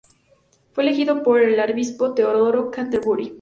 Fue elegido por el Arzobispo Teodoro de Canterbury.